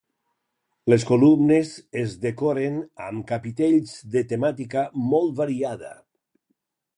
Les columnes es decoren amb capitells de temàtica molt variada.